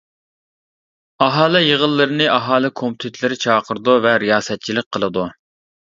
ئاھالە يىغىنلىرىنى ئاھالە كومىتېتلىرى چاقىرىدۇ ۋە رىياسەتچىلىك قىلىدۇ.